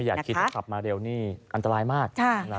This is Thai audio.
ไม่อยากคิดถ้าขับมาเร็วนี้อันตรายมาก